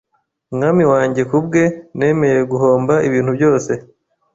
Umwami wanjye Ku bwe nemeye guhomba ibintu byose